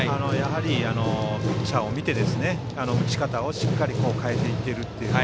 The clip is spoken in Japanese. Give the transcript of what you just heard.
ピッチャーを見て打ち方をしっかり変えていっているという。